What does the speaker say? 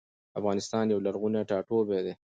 افغانستان يو لرغوني ټاټوبي دي